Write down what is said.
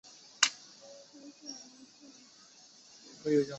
月台的延长导致车站有少许偏差。